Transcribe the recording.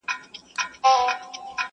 غرونه ډېر لوړ دي.